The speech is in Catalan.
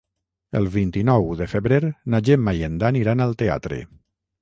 El vint-i-nou de febrer na Gemma i en Dan iran al teatre.